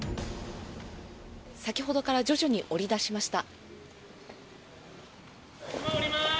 先ほどから徐々に下り出しました。